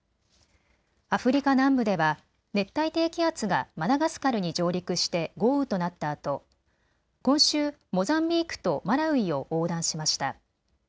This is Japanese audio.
アフリカ南部では熱帯低気圧がマダガスカルに上陸して豪雨となったあと今週、モザンビークとマラウイを横断しました。